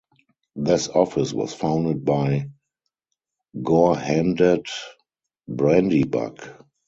This office was founded by Gorhendad Brandybuck.